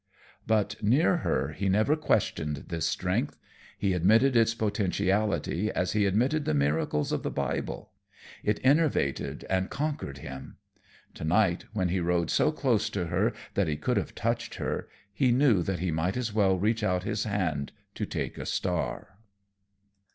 But near her, he never questioned this strength; he admitted its potentiality as he admitted the miracles of the Bible; it enervated and conquered him. To night, when he rode so close to her that he could have touched her, he knew that he might as well reach out his hand to take a star.